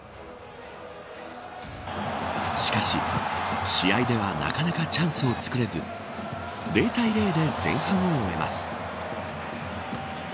しかし、試合ではなかなかチャンスをつくれず０対０で前半を終えます。